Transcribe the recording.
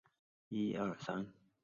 当信源是英文散文时这是正确的。